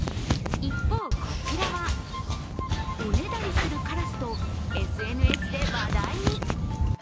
一方こちらは、おねだりするからすとＳＮＳで話題に。